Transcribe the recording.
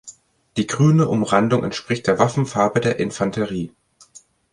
Die grüne Umrandung entspricht der Waffenfarbe der Infanterie.